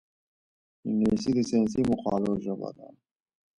انګلیسي د ساینسي مقالو ژبه ده